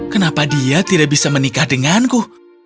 kenapa dia tidak bisa menikah denganku